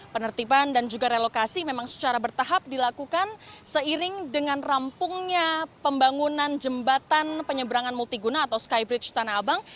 penertiban dan juga relokasi memang secara bertahap dilakukan seiring dengan rampungnya pembangunan jembatan penyeberangan multiguna atau skybridge tanah abang